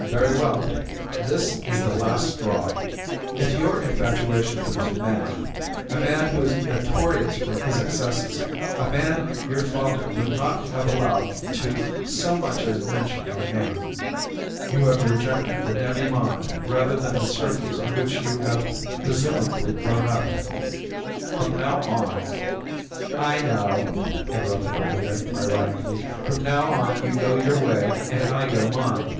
"Very well. This is the last straw. In your infatuation for this man. a man who is notorious for his excesses a man your father would not have allowed to so much as mention your name you have rejected the demi monde rather than the circles in which you have presumably grown up. From now on " "I know," interrupted Ardita ironically, "from now on you go your way and I go mine.